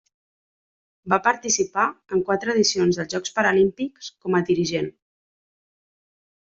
Va participar en quatre edicions dels Jocs Paralímpics com a dirigent.